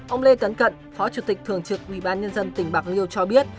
ông lê tấn cận phó chủ tịch thường trực ủy ban nhân dân tỉnh bạc liêu cho biết